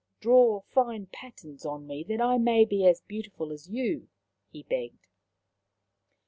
" Draw fine patterns on me, that I may be as beautiful as you," he begged.